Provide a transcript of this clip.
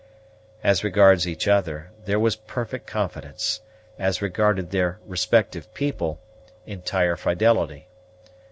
As respects each other, there was perfect confidence; as regarded their respective people, entire fidelity.